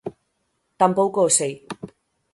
Tampouco o sei.